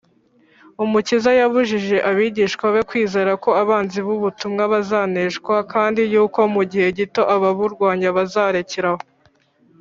umukiza yabujije abigishwa be kwizera ko abanzi b’ubutumwa bazaneshwa, kandi yuko mu gihe gito ababurwanya bazarekeraho